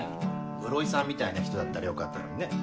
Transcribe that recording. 室井さんみたいな人だったらよかったのにね。